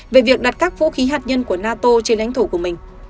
về việc đặt các vũ khí hạt nhân của nato trên lãnh thổ của mình